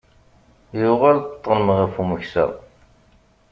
Yuɣal ṭṭelm ɣef umeksa.